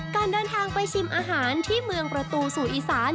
การเดินทางไปชิมอาหารที่เมืองประตูสู่อีสาน